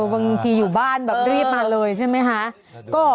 บางทีอยู่บ้านแบบรีบมาเลยใช่ไหมคะ